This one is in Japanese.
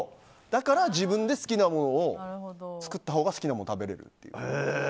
だから自分で好きなものを作ったほうが好きなものを食べられるっていう。